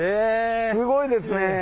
すごいですね。